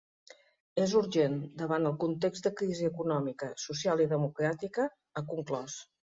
“És urgent, davant el context de crisi econòmica, social i democràtica”, ha conclòs.